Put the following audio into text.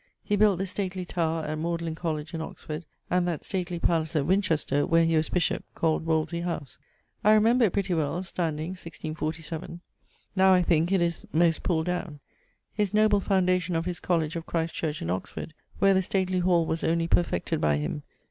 He built the stately tower at Magdalen Colledge in Oxford, and that stately palace at Winchester (where he was bishop), called Wolsey house; I remember it pretty well, standing 1647. Now, I thinke, it is most pulled downe. His noble foundation of his Colledge of Christ Church, in Oxford, where the stately hall was only perfected by him.